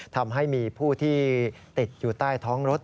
ทำให้มีผู้ที่ติดอยู่ใต้ท้องรถ